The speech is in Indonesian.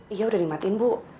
iya udah dimatiin bu